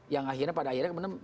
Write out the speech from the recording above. yang akhirnya pada akhirnya